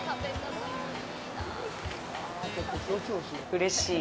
うれしい。